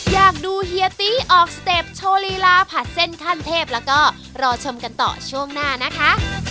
อยากดูเฮียตี้ออกสเต็ปโชว์ลีลาผัดเส้นขั้นเทพแล้วก็รอชมกันต่อช่วงหน้านะคะ